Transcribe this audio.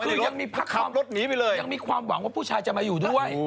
คือยังมีความยังมีความหวังว่าผู้ชายจะมาอยู่ด้วย